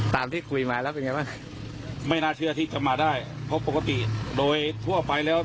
ตามที่คุยมาแล้วเป็นไงบ้างไม่น่าเชื่อที่จะมาได้เพราะปกติโดยทั่วไปแล้ว